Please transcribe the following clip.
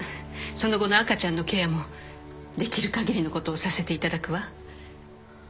その後の赤ちゃんのケアもできる限りのことをさせていただくわ